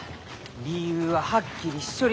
理由ははっきりしちょります